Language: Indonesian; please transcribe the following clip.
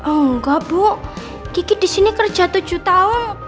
enggak bu kiki di sini kerja tujuh tahun